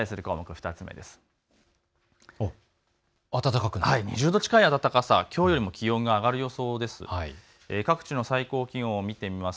２０度近い暖かさ、きょうよりも気温が上がる予想です。